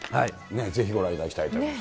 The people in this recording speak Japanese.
ぜひご覧いただきたいと思います。